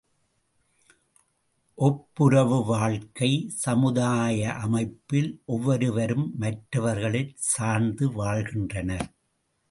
ஒப்புரவு வாழ்க்கை சமுதாய அமைப்பில் ஒவ்வொருவரும் மற்றவர்களைச் சார்ந்து வாழ்கின்றனர்.